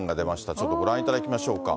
ちょっとご覧いただきましょうか。